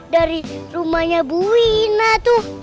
dari rumahnya bu wina tuh